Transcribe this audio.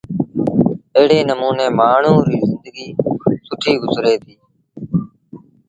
ايڙي نموٚني مآڻهوٚٚݩ ريٚ زندگيٚ سُٺيٚ گزري ديٚ۔